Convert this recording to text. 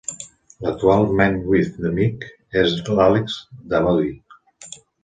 L'actual "Man with the Mic" és l'Alex Davoodi.